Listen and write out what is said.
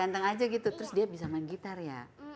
ganteng aja gitu terus dia bisa main gitar ya